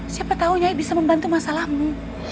siapa tahu yaya bisa membantu masalahmu